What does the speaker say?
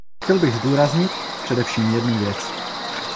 Chtěl bych zdůraznit především jednu věc.